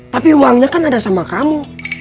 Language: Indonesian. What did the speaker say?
tapi uangnya kan ada sama kamu